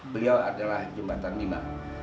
beliau adalah jembatan lima